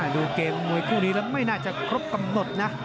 ดูเกมมวยคู่นี้แล้วไม่น่าจะครบกำหนดนะ